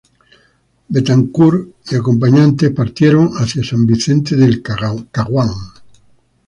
Betancourt y acompañantes partieron hacia San Vicente del Caguán.